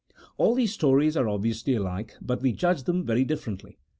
All these stories are obviously alike, but we judge them very differently.